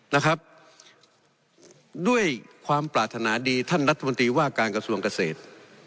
นะครับด้วยความปรารถนาดีท่านรัฐมนตรีว่าการกระทรวงเกษตร